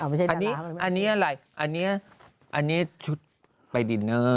อันนี้อะไรอันนี้ชุดไปดินเนอร์